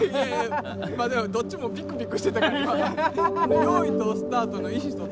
まあでもどっちもピクピクしてたからよいとスタートの意思疎通